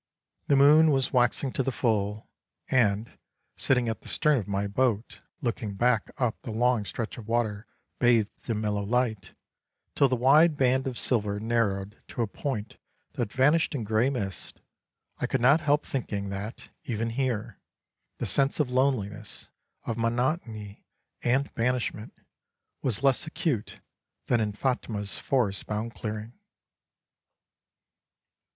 The moon was waxing to the full, and, sitting at the stern of my boat, looking back up the long stretch of water bathed in mellow light, till the wide band of silver narrowed to a point that vanished in grey mist, I could not help thinking that, even here, the sense of loneliness, of monotony, and banishment, was less acute than in Phatmah's forest bound clearing.